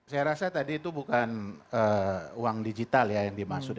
saya rasa tadi itu bukan uang digital ya yang dimaksud